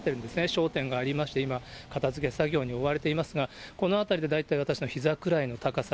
商店がありまして、今、片づけ作業に追われていますが、この辺りで大体私のひざくらいの高さ。